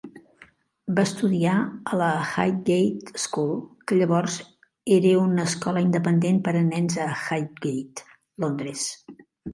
Va estudiar a la Highgate School, que llavors era una escola independent per a nens a Highgate, Londres.